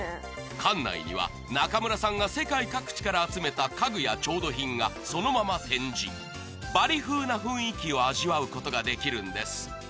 館内には中村さんが世界各地から集めた家具や調度品がそのまま展示バリ風な雰囲気を味わうことができるんです